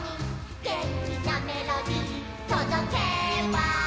「げんきなメロディとどけば」